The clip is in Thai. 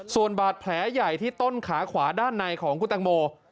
ส่วนบาดแผลใหญ่ที่ต้นขาขวาด้านในของคุณตังโม